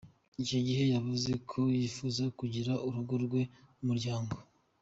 Icyo gihe yavuze ko yifuza kugira urugo rwe n’umuryango.